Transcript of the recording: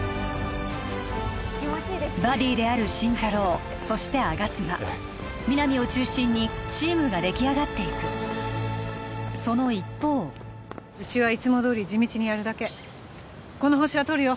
バディである心太朗そして吾妻皆実を中心にチームが出来上がっていくその一方うちはいつもどおり地道にやるだけこのホシはとるよ